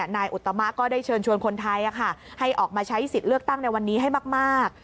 อุตมะก็ได้เชิญชวนคนไทยให้ออกมาใช้สิทธิ์เลือกตั้งในวันนี้ให้มาก